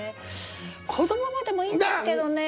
このままでもいいんですけどね。